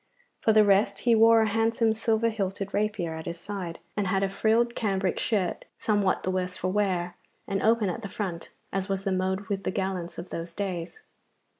For the rest, he wore a handsome silver hilted rapier at his side, and had a frilled cambric shirt somewhat the worse for wear and open at the front, as was the mode with the gallants of those days.